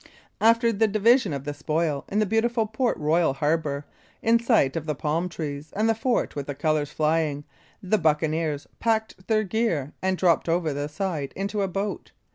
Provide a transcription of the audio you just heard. After the division of the spoil in the beautiful Port Royal harbor, in sight of the palm trees and the fort with the colors flying, the buccaneers packed their gear, and dropped over the side into a boat.